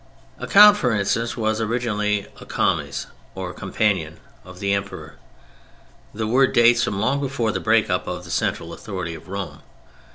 A count, for instance, was originally a "comes" or "companion" of the Emperor. The word dates from long before the break up of the central authority of Rome.